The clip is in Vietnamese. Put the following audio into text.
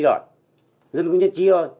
rồi dân cũng nhất trí thôi